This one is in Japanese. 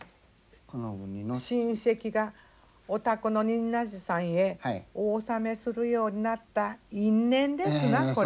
親戚がお宅の仁和寺さんへお納めするようになった因縁ですなこれ。